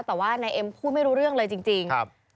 แต่ว่านายเอ็มพูดไม่รู้เรื่องเลยจริง